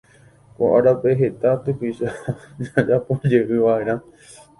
Ko árape heta typycha jajapojeyvaʼerã.